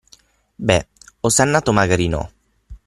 Beh, osannato magari no.